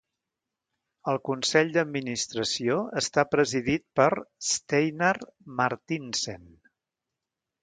El consell d'administració està presidit per Steinar Marthinsen.